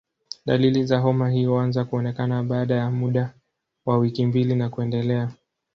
Dalili za homa hii huanza kuonekana baada ya muda wa wiki mbili na kuendelea.